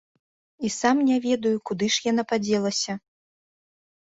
І сам не ведаю, куды ж яна падзелася.